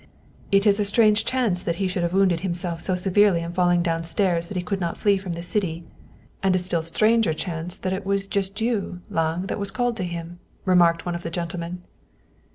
" It is a strange chance that he should have wounded himself so severely in falling downstairs that he could not flee from the city. And a still stranger chance that it was just you, German Mystery Stories Lange, that was called to him," remarked one of the gentle men.